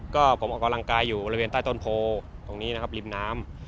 ก็ผมออกกำลังกายอยู่บริเวณใต้ต้นโพตรงนี้นะครับริมน้ำ